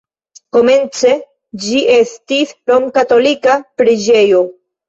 Komence ĝi estis romkatolika preĝejo.